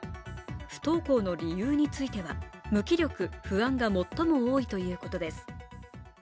不登校の理由については無気力・不安が最も多いということです。